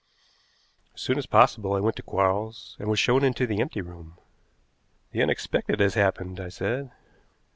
As soon as possible I went to Quarles and was shown into the empty room. "The unexpected has happened," I said.